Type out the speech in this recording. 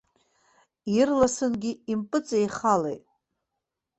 Ирласынгьы импыҵеихалеит.